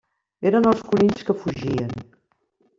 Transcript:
Eren els conills que fugien.